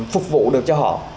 phục vụ được cho họ